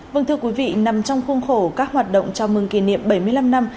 vâng thưa quý vị nằm trong khuôn khổ các hoạt động chào mừng kỷ niệm bảy mươi năm năm